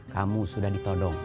kamu sudah ditodong